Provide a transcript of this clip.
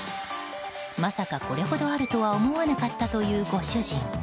まさか、これほどあるとは思わなかったというご主人。